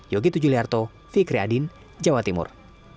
yogi tujuliarto fikri adin jawa timur